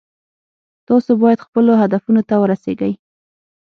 تاسو باید خپلو هدفونو ته ورسیږئ